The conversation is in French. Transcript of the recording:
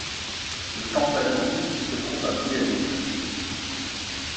Le temple adventiste se trouve à Boulet Rouge.